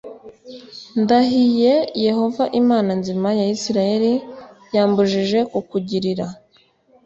ndahiye Yehova Imana nzima ya Isirayeli yambujije kukugirira